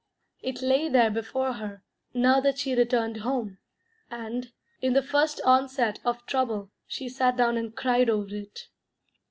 It lay there before her now that she returned home, and, in the first onset of trouble, she sat down and cried over it.